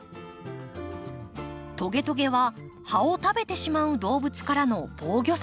トゲトゲは葉を食べてしまう動物からの防御策。